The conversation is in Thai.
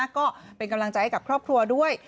ก็เป็นกำลังใจให้กับครอบครัวด้วย